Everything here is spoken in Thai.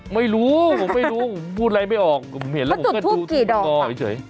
ไม่รู้ผมไม่รู้พูดอะไรไม่ออกผมเห็นแล้วผมก็ดูที่ดอเฉย